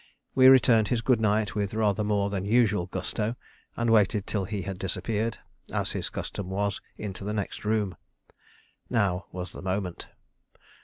We returned his good night with rather more than usual gusto, and waited till he had disappeared, as his custom was, into the next room. Now was the moment.